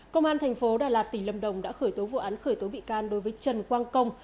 công an thành phố đà lạt tỉnh lâm đồng đã khởi tố vụ án khởi tố bị can đối với trần quang công